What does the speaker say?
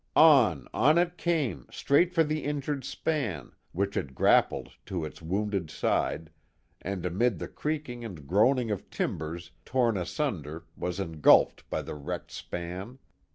On, on it came, straight for the injured span, which Tt grappled to its wounded side, and amid the creaking and groaning of timbers torn asunder was engulfed by the wrecked span.